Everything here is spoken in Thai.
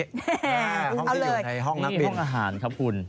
เอาเลยนี่ห้องอาหารครับคุณห้องที่อยู่ในห้องนักบิน